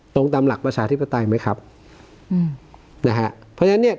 ตามหลักประชาธิปไตยไหมครับอืมนะฮะเพราะฉะนั้นเนี้ย